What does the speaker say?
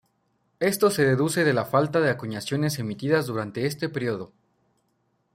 Esto se deduce de la falta de acuñaciones emitidas durante este período.